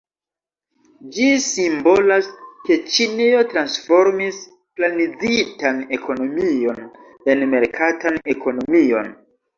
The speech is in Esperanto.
Ĝi simbolas ke Ĉinio transformis planizitan ekonomion en merkatan ekonomion.